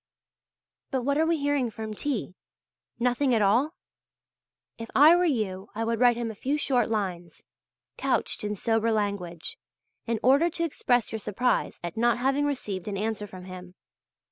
But what are we hearing from T.? Nothing at all? If I were you I would write him a few short lines, couched in sober language, in order to express your surprise at not having received an answer from him.